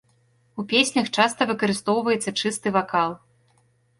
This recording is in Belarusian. У песнях часта выкарыстоўваецца чысты вакал.